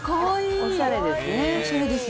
おしゃれですね。